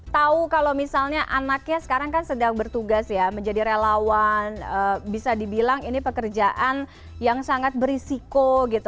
tahu kalau misalnya anaknya sekarang kan sedang bertugas ya menjadi relawan bisa dibilang ini pekerjaan yang sangat berisiko gitu